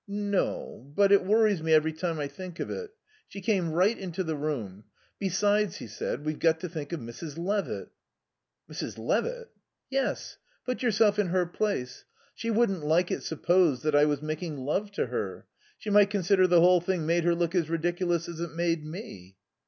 "No. But it worries me every time I think of it. She came right into the room. Besides," he said, "we've got to think of Mrs. Levitt." "Mrs. Levitt?" "Yes. Put yourself in her place. She wouldn't like it supposed that I was making love to her. She might consider the whole thing made her look as ridiculous as it made me."